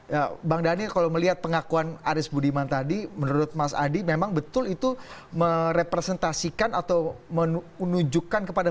ya bang daniel kalau melihat pengakuan aris budiman tadi menurut mas adi memang betul itu merepresentasikan atau menunjukkan kepada